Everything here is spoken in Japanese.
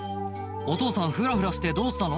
お父さんフラフラしてどうしたの？